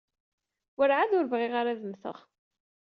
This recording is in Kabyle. Werɛad ur bɣiɣ ara ad mmteɣ.